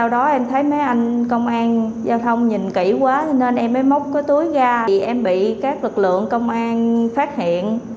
đoàn giao thông nhìn kỹ quá nên em mới móc cái túi ra em bị các lực lượng công an phát hiện